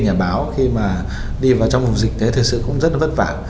nhà báo khi mà đi vào trong vùng dịch thế thực sự cũng rất là vất vả